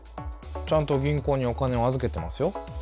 ちゃんと銀行にお金を預けてますよ。